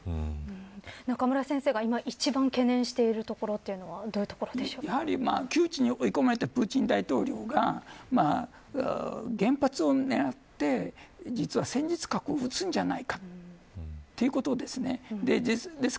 中村先生が今、一番懸念しているのは窮地に追い込まれたプーチン大統領が原発を狙って戦術核を撃つんじゃないかということです。